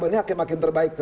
ini hakim hakim terbaik